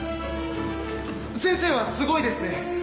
先生はすごいですね。